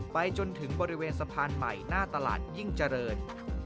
ไปจนถึงบริเวณสะพานใหม่หน้าตลาดยิ่งเจริญ